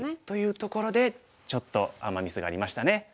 ところでちょっとアマ・ミスがありましたね。